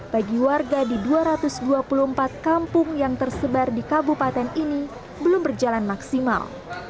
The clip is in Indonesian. bagi warga di dua ratus dua puluh empat kampung yang tersebar di kabupaten ini belum berjalan maksimal